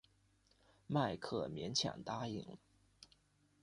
迈克勉强答应了。